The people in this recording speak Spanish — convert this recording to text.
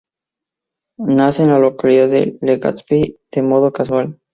Nace en la localidad de Legazpi de modo casual.